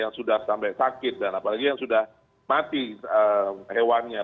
yang sudah sampai sakit dan apalagi yang sudah mati hewannya